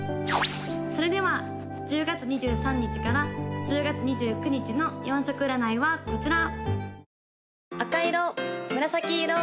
・それでは１０月２３日から１０月２９日の４色占いはこちら！